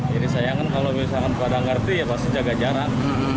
jadi disayangkan kalau misalkan pada ngerti ya pasti jaga jarak